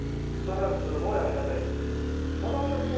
それはすごいありがたいんですけど。